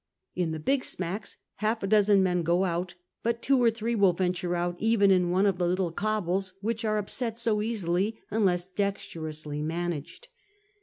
In the big smacks half a dozen men go out, but two or three will venture out even in one of the little cobles which arc upset so easily unless dexterously managed.